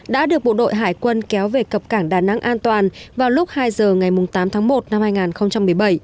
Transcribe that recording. đã được bộ đội hải quân kéo về cập cảng đà nẵng an toàn vào lúc hai giờ ngày tám tháng một năm hai nghìn một mươi bảy